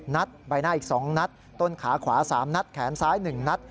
นัดใบหน้าอีก๒นัดต้นขาขวา๓นัดแขนซ้าย๑นัด